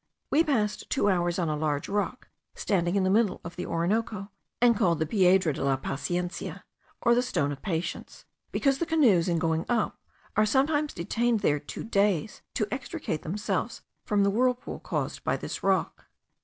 We passed two hours on a large rock, standing in the middle of the Orinoco, and called the Piedra de la Paciencia, or the Stone of Patience, because the canoes, in going up, are sometimes detained there two days, to extricate themselves from the whirlpool caused by this rock.